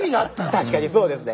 確かにそうですね。